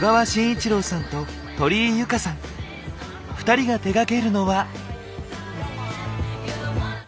２人が手がけるのは？